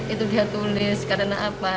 itu dia tulis karena apa